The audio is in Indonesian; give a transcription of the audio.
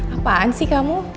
apaan sih kamu